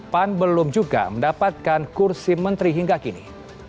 pan belum juga mendapatkan kursi menteri hingga kini